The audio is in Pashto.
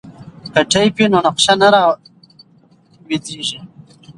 که ټیپ وي نو نقشه نه راویځیږي.